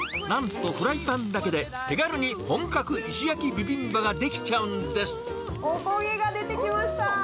なんとフライパンだけで手軽に本格石焼きビビンバが出来ちゃおこげが出てきました。